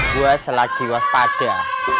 gue selagi waspada